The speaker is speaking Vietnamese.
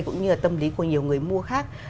cũng như là tâm lý của nhiều người mua khác